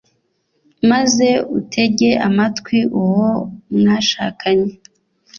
maze utege amatwi uwo mwashakanye,